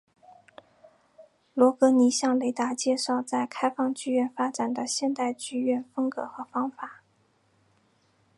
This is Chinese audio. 罗格尼向雷达介绍在开放剧院发展的现代剧院风格和方法。